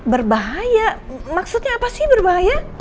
berbahaya maksudnya apa sih berbahaya